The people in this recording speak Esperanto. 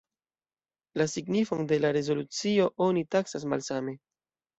La signifon de la rezolucioj oni taksas malsame.